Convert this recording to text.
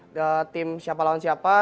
ada tim siapa lawan siapa